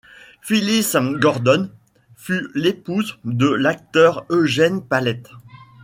Phyllis Gordon fut l'épouse de l'acteur Eugene Pallette.